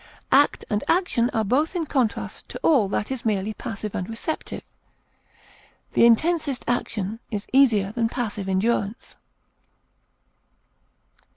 Act and action are both in contrast to all that is merely passive and receptive. The intensest action is easier than passive endurance.